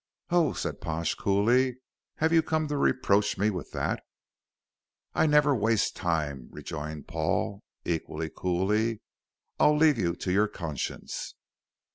"Oh," said Pash, coolly, "have you come to reproach me with that?" "I never waste time," rejoined Paul, equally coolly. "I'll leave you to your conscience."